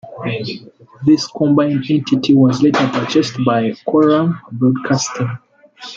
This combined entity was later purchased by Quorum Broadcasting.